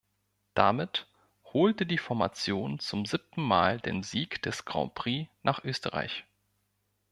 Damit holte die Formation zum siebten Mal den Sieg des Grand Prix nach Österreich.